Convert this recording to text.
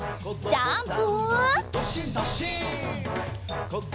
ジャンプ！